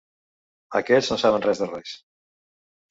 Aquests no saben res de res.